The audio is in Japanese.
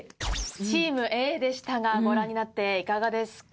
チームＡでしたがご覧になっていかがですか？